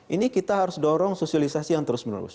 ini kita harus dorong sosialisasi yang terus menerus